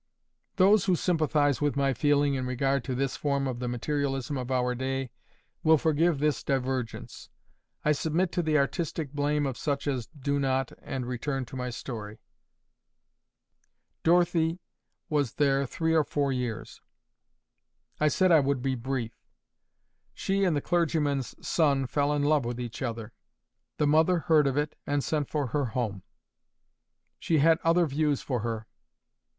Those who sympathize with my feeling in regard to this form of the materialism of our day, will forgive this divergence. I submit to the artistic blame of such as do not, and return to my story. Dorothy was there three or four years. I said I would be brief. She and the clergyman's son fell in love with each other. The mother heard of it, and sent for her home. She had other views for her.